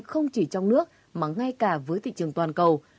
không chỉ trong nước mà ngay cả với thị trường toàn cầu